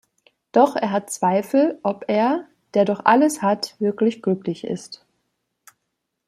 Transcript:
Doch er hat Zweifel, ob er, der doch "alles" hat, wirklich glücklich ist.